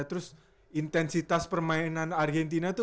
terus intensitas permainan argentina itu